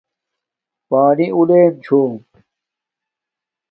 پانی لُیم چھوم